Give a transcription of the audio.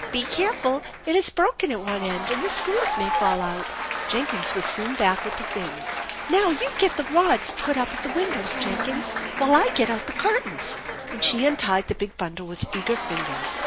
Be careful. It is broken at one end, and the screws may fall out." Jenkins was soon back with the things. " Now, you get the rods put up at the windows, Jenkins, while I get out the curtains/' and she untied the big bundle with eager fingers.